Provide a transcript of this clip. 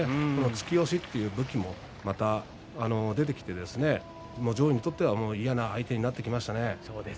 突き押しという武器も出てきて上位にとっては嫌な相手になってきましたね。